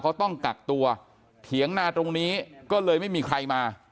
เขาต้องกักตัวเถียงนาตรงนี้ก็เลยไม่มีใครมา